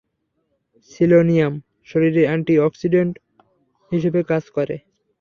Selenium শরীরে antioxidant হিসেবে কাজ করে।